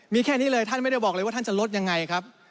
มีแค่นี้เลยท่านไม่ได้บอกเลยว่าท่านจะลดยังไงครับ